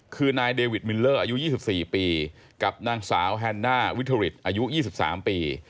คือนายเดวิดมิลเลอร์อายุ๒๔ปีกับนางสาวแฮนน่าวิทริตอายุ๒๓ปี